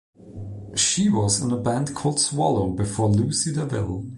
She was in a band called Swallow before Lucy De Ville.